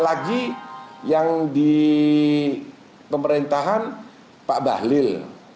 ada lagi yang di pemerintahan pak bahlil